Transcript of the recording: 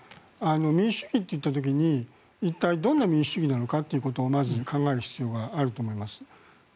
民主主義といった時に一体、どんな民主主義なのかということをまず、考える必要があると思います。